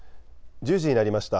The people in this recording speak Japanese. １０時になりました。